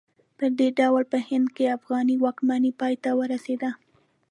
په دې ډول په هند کې افغاني واکمنۍ پای ته ورسېده.